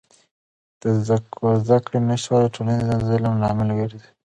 د زدهکړې نشتوالی د ټولنیز ظلم لامل ګرځي.